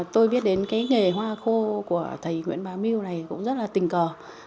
tôi biết đến cái nghề hoa khô của thầy nguyễn bà miu này cũng rất là tình cờ